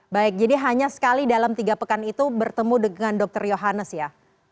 baik jadi hanya sekali dalam tiga pekan itu bertemu dengan dokter yohanes ya